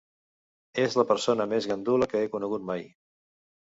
És la persona més gandula que he conegut mai.